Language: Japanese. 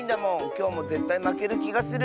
きょうもぜったいまけるきがする。